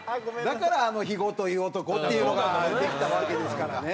だからあの「肥後という男」っていうのができたわけですからね。